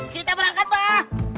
kita berangkat mbak